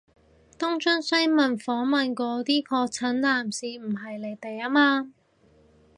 東張西望訪問嗰啲確診男士唔係你哋吖嘛？